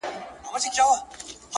د دنيا حسن په څلورو دېوالو کي بند دی~